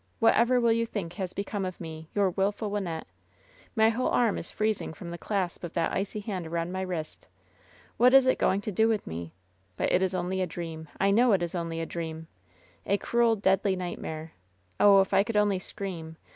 What ever will you think has become of me — ^your wilful Wynnette ? My whole arm is freezing from the clasp of that icy hand around my wrist. What is it going to do with me ? But it is only a dream. I know it is only a dream. A cruel, deadly nightmare. Oh, if I could only scream.